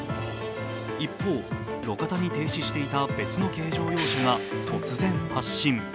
一方、路肩に停止していた別の軽乗用車が突然発進。